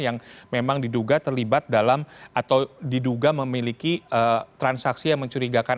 yang memang diduga terlibat dalam atau diduga memiliki transaksi yang mencurigakan